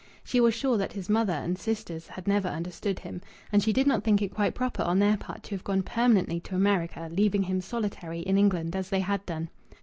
She was sure that his mother and sisters had never understood him; and she did not think it quite proper on their part to have gone permanently to America, leaving him solitary in England, as they had done.